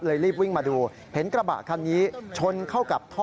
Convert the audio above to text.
รีบวิ่งมาดูเห็นกระบะคันนี้ชนเข้ากับท่อ